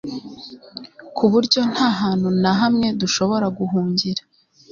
ku buryo nta hantu na hamwe dushobora guhungira